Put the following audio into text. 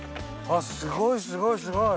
あっすごいすごい！